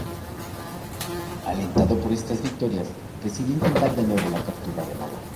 Alentado por estas victorias, decidió intentar de nuevo la captura de Nola.